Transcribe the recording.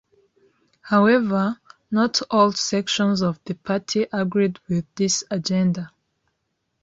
However, not all sections of the party agreed with this agenda.